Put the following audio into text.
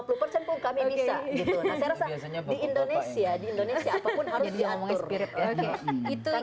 nah saya rasa di indonesia di indonesia apapun harus diatur